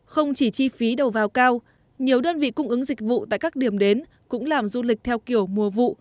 không chỉ chi phí đầu vào cao nhiều đơn vị cung ứng dịch vụ tại các điểm đến cũng làm du lịch theo kiểu mùa vụ